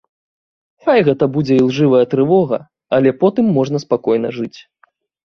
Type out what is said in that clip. Хай гэта будзе ілжывая трывога, але потым можна спакойна жыць.